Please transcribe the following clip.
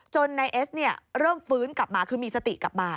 นายเอสเริ่มฟื้นกลับมาคือมีสติกลับมา